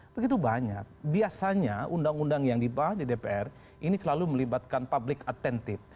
begitu banyak biasanya undang undang yang dibahas di dpr ini selalu melibatkan public attentive